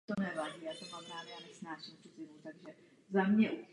I další vybavení bylo pořídili místní obyvatelé vlastním nákladem.